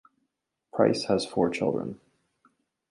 Pryce has four children.